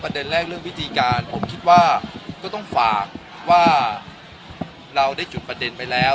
แรกเรื่องวิธีการผมคิดว่าก็ต้องฝากว่าเราได้จุดประเด็นไปแล้ว